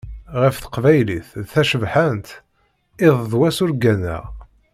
Ɣef teqbaylit, d tacebḥant, iḍ d wass ur gganeɣ.